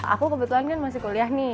aku kebetulan kan masih kuliah nih